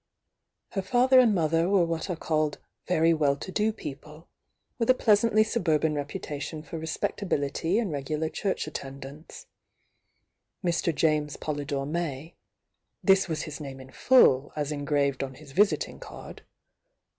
Her father and mother were what are called "very weU to do people," with a pleasantly suburban rep utation for rMpectabihty and regular church attend Mr. James Polydore May,— this waa his in full, as engraved on his visiting card— was ance.